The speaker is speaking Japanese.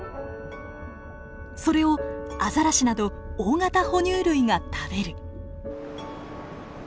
それをアザラシなど大型哺乳類が食べる。